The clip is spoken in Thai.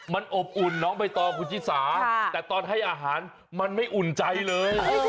มันอบอุ่นน้องใบตองคุณชิสาแต่ตอนให้อาหารมันไม่อุ่นใจเลย